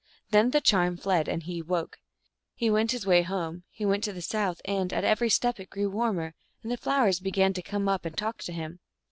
Then the charm fled, and he awoke. He went his way home ; he went to the south, and at every step it grew warmer, and the flowers began to come up and talk to him.